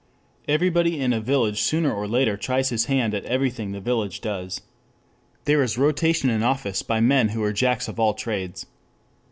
Everybody in a village sooner or later tries his hand at everything the village does. There is rotation in office by men who are jacks of all trades.